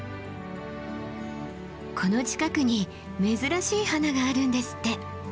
この近くに珍しい花があるんですって。